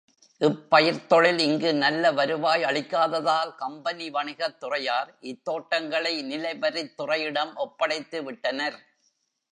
இப்பயிர்த் தொழில் இங்கு நல்ல வருவாய் அளிக்காததால் கம்பெனி வணிகத் துறையார் இத்தோட்டங்களை நிலவரித் துறை யிடம் ஒப்படைத்துவிட்டனர்.